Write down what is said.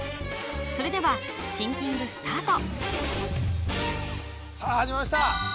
それではシンキングスタートさあ始まりました